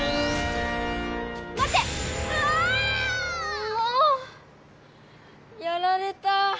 もう！やられた。